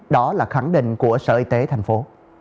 đó là khẳng định của sở y tế thành phố